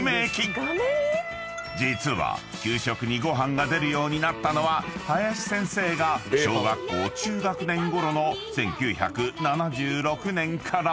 ［実は給食にご飯が出るようになったのは林先生が小学校中学年ごろの１９７６年から］